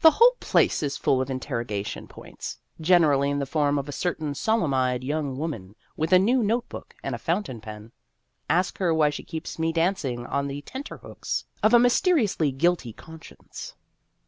The whole place is full of interrogation points, generally in the form of a certain solemn eyed young woman with a new note book and a fountain pen. Ask her why she keeps me dancing on the tenter hooks of a mysteriously guilty conscience.